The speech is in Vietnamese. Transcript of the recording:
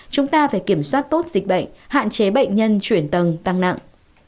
chúng ta phải kiểm soát tốt dịch bệnh hạn chế bệnh nhân chuyển tầng tăng nặng